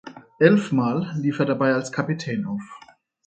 Elf Mal lief er dabei als Kapitän auf.